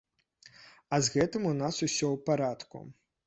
А з гэтым у нас усё ў парадку.